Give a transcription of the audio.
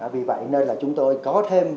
vì vậy nên là chúng tôi có thể tìm hiểu